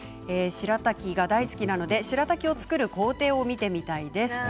しらたきが大好きなのでその工程を見てみたいです。